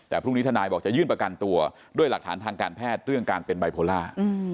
แต่พรุ่งนี้ทนายบอกจะยื่นประกันตัวด้วยหลักฐานทางการแพทย์เรื่องการเป็นไบโพล่า